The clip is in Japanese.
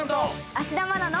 芦田愛菜の。